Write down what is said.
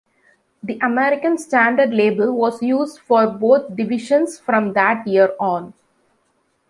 The American Standard label was used for both divisions from that year on.